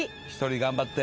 頑張って。